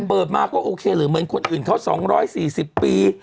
เปิดมาก็โอเคหรือเหมือนคนอื่นเขา๒๔๐ปี